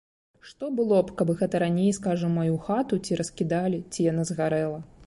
Што было б, каб гэта раней, скажам, маю хату ці раскідалі, ці яна згарэла?